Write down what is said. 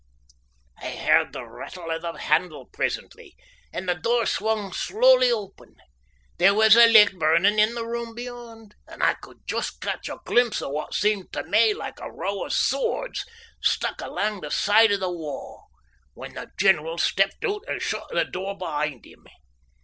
I heard the rattle o' the handle presently, and the door swung slowly open. There was a licht burnin' in the room beyond, an' I could just catch a glimpse o' what seemed tae me like a row o' swords stuck alang the side o' the wa', when the general stepped oot and shut the door behind him.